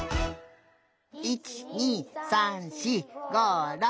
１２３４５６７８！